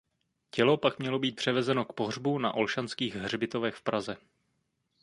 Tělo pak mělo být převezeno k pohřbu na Olšanských hřbitovech v Praze.